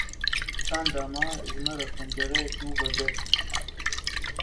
Çanda me, ji me re pencereyek nû vekir